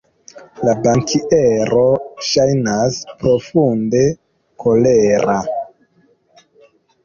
La bankiero ŝajnas profunde kolera.